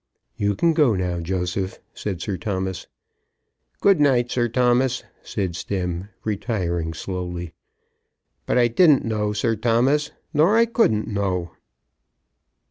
"You can go now, Joseph," said Sir Thomas. "Good night, Sir Thomas," said Stemm, retiring slowly, "but I didn't know, Sir Thomas, nor I couldn't know."